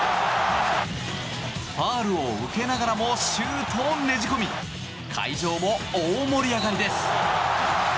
ファウルを受けながらもシュートをねじ込み会場も大盛り上がりです。